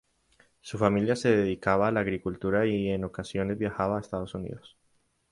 Su familia se dedicaba a la agricultura y en ocasiones viajaban a Estados Unidos.